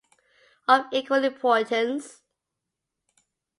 Of equal importance.